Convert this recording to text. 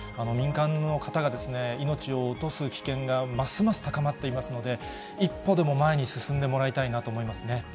民間の方が命を落とす危険がますます高まっていますので、一歩でも前に進んでもらいたいなと思いますね。